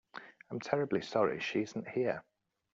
I'm terribly sorry she isn't here.